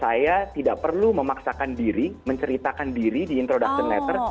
saya tidak perlu memaksakan diri menceritakan diri di introduction netter